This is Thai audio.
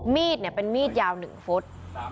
มีดเป็นมีดยาว๑ฟุต